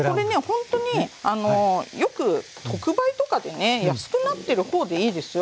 ほんとによく特売とかでね安くなってる方でいいですよ。